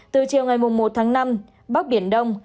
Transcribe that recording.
từ chiều ngày một tháng năm bắc biển đông